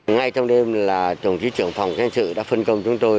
ngay trong đêm là tổng chí trưởng phòng cảnh sử đã phân công chúng tôi